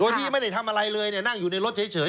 โดยที่ไม่ได้ทำอะไรเลยนั่งอยู่ในรถเฉย